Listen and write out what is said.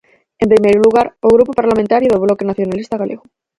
En primeiro lugar, o Grupo Parlamentario do Bloque Nacionalista Galego.